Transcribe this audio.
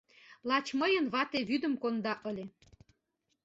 Лач мыйын вате вӱдым конда ыле.